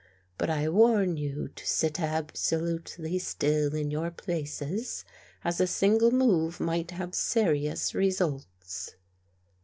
But I warn you to sit absolutely still in your places as a single move might have serious re sults."